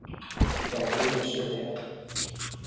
踱幾舊水來呀